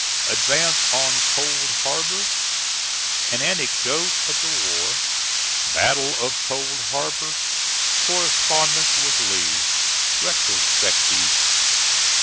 ADVANCE ON COLD HARBOR AN ANECDOTE OF THE WAR BATTLE OF COLD HARBOR CORRESPONDENCE WITH LEE RETROSPECTIVE.